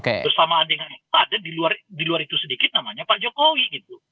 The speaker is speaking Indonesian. bersamaan dengan pak jokowi